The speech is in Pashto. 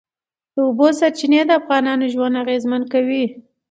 د اوبو سرچینې د افغانانو ژوند اغېزمن کوي.